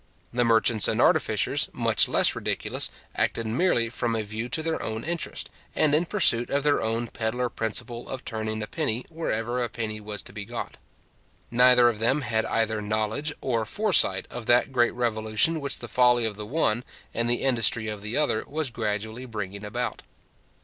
The merchants and artificers, much less ridiculous, acted merely from a view to their own interest, and in pursuit of their own pedlar principle of turning a penny wherever a penny was to be got. Neither of them had either knowledge or foresight of that great revolution which the folly of the one, and the industry of the other, was gradually bringing about.